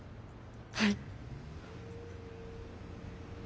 はい。